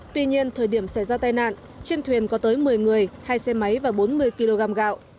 tuy nhiên thời điểm xảy ra tai nạn trên thuyền có tới một mươi người hai xe máy và bốn mươi kg gạo